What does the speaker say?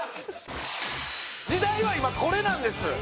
時代は今これなんです。